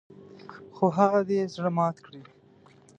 خو هغه دې زړه مات کړي .